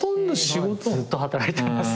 私ずっと働いてます。